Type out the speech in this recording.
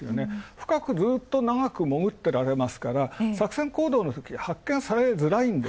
深くずっと長くもぐっていられるから作戦行動のとき、発見されづらいと。